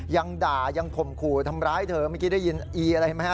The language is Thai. ยังด่ายังข่มขู่ทำร้ายเธอเมื่อกี้ได้ยินอีอะไรไหมฮะ